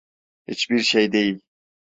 Hiçbir şey değil.